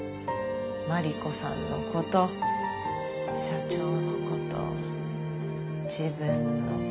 真理子さんのこと社長のこと自分の家族のこと。